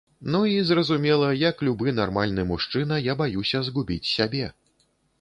Ну і, зразумела, як любы нармальны мужчына я баюся згубіць сябе.